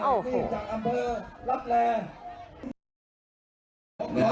อ้าวโห